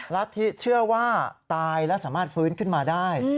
รัฐธิเชื่อว่าตายและสามารถฟื้นขึ้นมาได้